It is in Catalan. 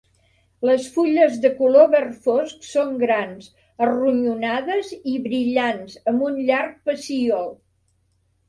Les fulles de color verd fosc són grans, arronyonades i brillants amb un llarg pecíol.